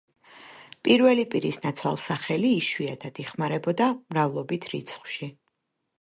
პირველი პირის ნაცვალსახელი იშვიათად იხმარებოდა მრავლობით რიცხვში.